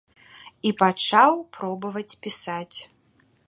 І пачаў пробаваць пісаць.